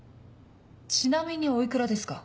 ちなみにお幾らですか？